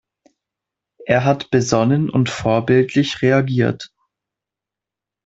Er hat besonnen und vorbildlich reagiert.